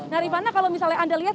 nah rifana kalau misalnya anda lihat